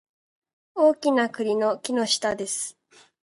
大きな栗の木の下です